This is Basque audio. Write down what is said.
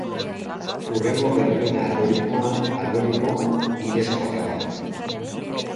Hurrengo gertuena algoritmoa algoritmo ireskorra da.